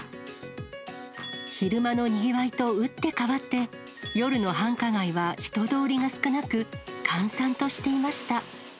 昼間のにぎわいと打って変わって、夜の繁華街は人通りが少なく、閑散としていました。